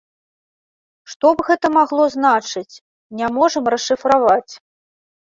Што б гэта магло значыць, не можам расшыфраваць.